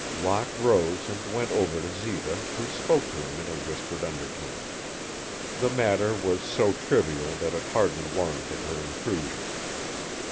Locke rose and went over to Zita, who spoke to him in a whispered undertone. The matter was so trivial that it hardly warranted her intrusion.